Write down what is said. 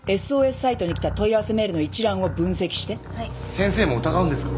先生も疑うんですか？